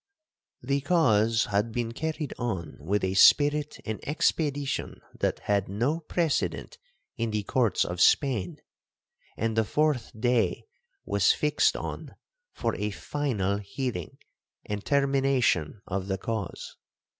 'The cause had been carried on with a spirit and expedition that had no precedent in the courts of Spain, and the fourth day was fixed on for a final hearing and termination of the cause.